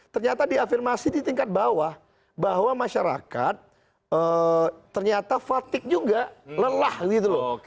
ternyata diafirmasi di tingkat bawah bahwa masyarakat ternyata fatigue juga lelah gitu loh